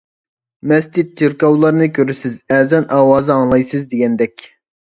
مەسچىت، چېركاۋلارنى كۆرىسىز، ئەزان ئاۋازى ئاڭلايسىز دېگەندەك.